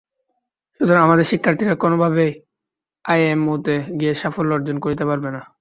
সুতরাং আমাদের শিক্ষার্থীরা কোনোভাবেই আইএমওতে গিয়ে সাফল্য অর্জন করতে পারবে না।